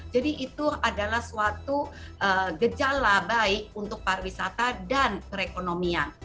jadi itu adalah suatu gejala baik untuk pariwisata dan perekonomian